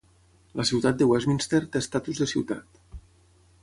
La Ciutat de Westminster té estatus de ciutat.